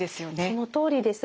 そのとおりです。